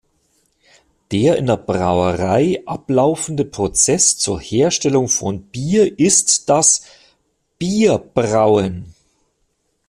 Der in der Brauerei ablaufende Prozess zur Herstellung von Bier ist das Bierbrauen.